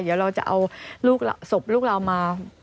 เดี๋ยวเราจะเอาลูกศพลูกเรามา